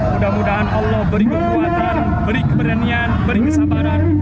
mudah mudahan allah beri kekuatan beri keberanian beri kesabaran